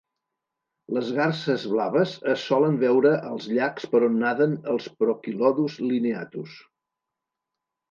Les garses blaves es solen veure als llacs per on naden els prochilodus lineatus.